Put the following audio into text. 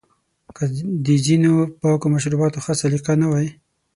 که د ځینو پاکو مشرانو ښه سلیقه نه وای